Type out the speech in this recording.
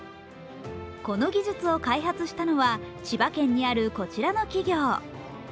この技術を開発したのは、千葉県にあるこちらの企業。